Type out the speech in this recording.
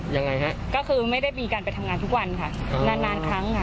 ยังไงฮะก็คือไม่ได้มีการไปทำงานทุกวันค่ะนานนานครั้งค่ะ